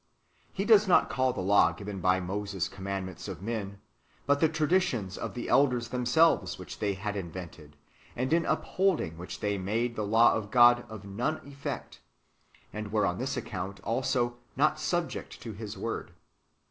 "^ He does not call the law given by Moses commandments of men, but the traditions of the elders themselves which they had invented, and in up holding which they made the law of God of none effect, and were on this account also not subject to His Word.